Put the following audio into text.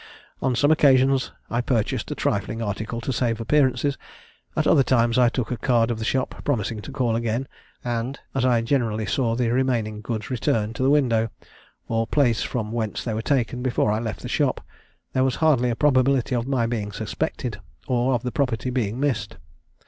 On some occasions I purchased a trifling article to save appearances; at other times I took a card of the shop, promising to call again; and, as I generally saw the remaining goods returned to the window, or place from whence they were taken, before I left the shop, there was hardly a probability of my being suspected, or of the property being missed.